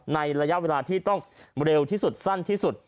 ในระยะเวลาที่ต้องเร็วที่สุดสั้นที่สุด